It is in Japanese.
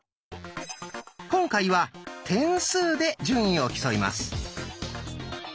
今回は点数で順位を競います。